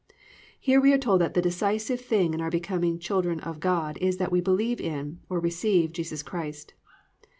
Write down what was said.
"+ Here we are told that the decisive thing in our becoming children of God is that we believe in, or receive, Jesus Christ.